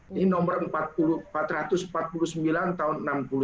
ini nomor empat ratus empat puluh sembilan tahun seribu sembilan ratus enam puluh satu